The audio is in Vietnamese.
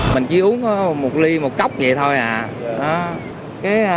mình chỉ uống một ly một cốc vậy thôi à